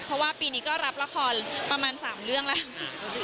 เพราะว่าปีนี้ก็รับละครประมาณ๓เรื่องแล้ว